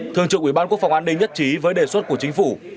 thường trực ủy ban quốc phòng an ninh nhất trí với đề xuất của chính phủ